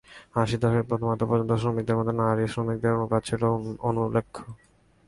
আশির দশকের প্রথমার্ধ পর্যন্ত শ্রমিকদের মধ্যে নারী শ্রমিকদের অনুপাত ছিল অনুল্লেখ্য।